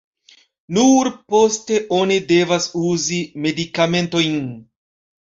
Nur poste oni devas uzi medikamentojn.